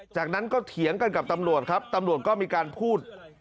จากนั้นก็เถียงกันกับตำรวจครับตำรวจก็มีการพูด